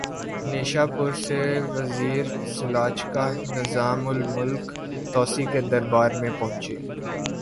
نیشا پور سے وزیر سلاجقہ نظام الملک طوسی کے دربار میں پہنچے